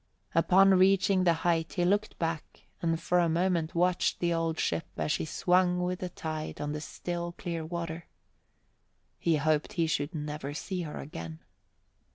Upon reaching the height he looked back and for a moment watched the old ship as she swung with the tide on the still, clear water. He hoped he should never see her again.